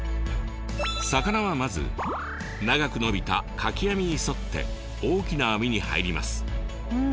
魚はまず長くのびた垣網に沿って大きな網に入ります。